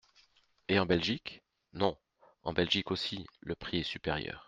Et en Belgique ? Non ! En Belgique aussi, le prix est supérieur.